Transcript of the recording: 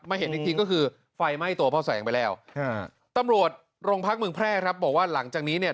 เห็นอีกทีก็คือไฟไหม้ตัวพ่อแสงไปแล้วตำรวจโรงพักเมืองแพร่ครับบอกว่าหลังจากนี้เนี่ย